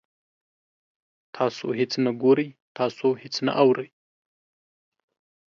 تاسو هیڅ نه ګورئ، تاسو هیڅ نه اورئ